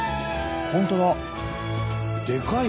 本当だ。